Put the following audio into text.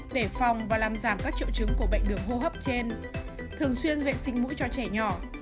để phòng và làm giảm các triệu chứng của bệnh đường hô hấp trên thường xuyên vệ sinh mũi cho trẻ nhỏ